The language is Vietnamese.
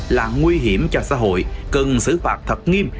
là nguy hiểm cho xã hội cần xử phạt thật nghiêm